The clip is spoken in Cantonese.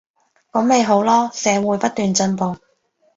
噉咪好囉，社會不斷進步